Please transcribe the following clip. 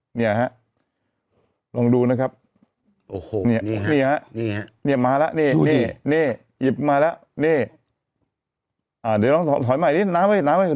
หลงดูนะครับเนี่ยเนี่ยหายิบมาแล้ว